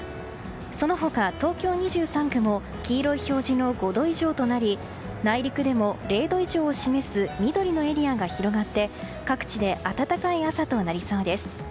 その他、東京２３区も黄色い表示の５度以上となり内陸でも０度以上を示す緑のエリアが広がって各地で暖かい朝となりそうです。